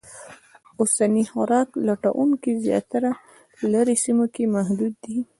اوسني خوراک لټونکي زیاتره لرې سیمو کې محدود دي.